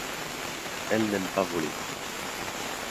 Elle n'aime pas voler.